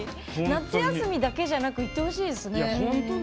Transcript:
夏休みだけじゃなくやってほしいですね。